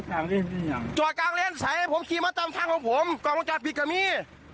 กล้องหลานรถผมกับมี่